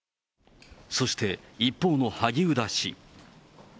そして、一方の萩生田氏。